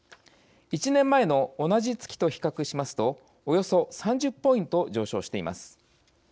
１年前の同じ月と比較しますとおよそ３０ポイント上昇しています。